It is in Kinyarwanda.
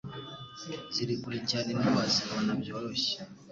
ziri kure cyane ntiwazibona byoroshye